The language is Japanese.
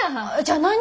じゃあ何？